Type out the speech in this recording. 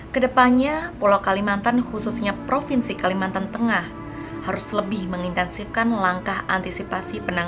kedepannya pulau kalimantan khususnya provinsi kalimantan tengah harus lebih mengintensifkan langkah antisipasi